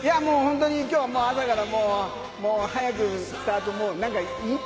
きょうは朝から早くスタート。